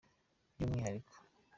By’umwihariko